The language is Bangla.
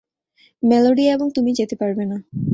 মেলোডি এবং তুমি যেতে পারবে না।